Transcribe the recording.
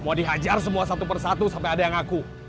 mau dihajar semua satu persatu sampai ada yang ngaku